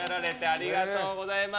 ありがとうございます。